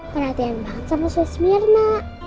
perhatian banget sama sus mirna